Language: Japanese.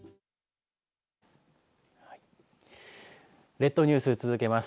列島ニュース続けます。